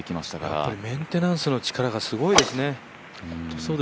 やっぱりメンテナンスの力がすごいですね。